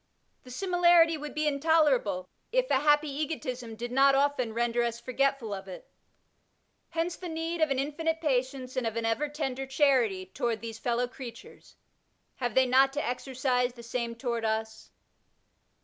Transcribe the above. The simi larity would be intolerable, if a happy egotism did not often render us forgetful of it. Hence the need of an infinite patience and of an ever tender charity toward these fellow creatures ; have they not to exercise the same toward us